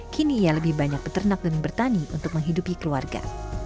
kini ia lebih banyak peternak dan bertani untuk menghidupi keluarga